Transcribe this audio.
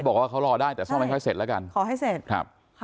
บอกว่าเขารอได้แต่ซ่อมให้ค่อยเสร็จแล้วกันขอให้เสร็จครับค่ะ